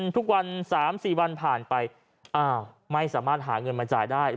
ทุกวัน๓๔วันผ่านไปไม่สามารถหาเงินมาจ่ายได้